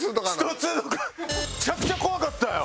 めちゃくちゃ怖かったよ。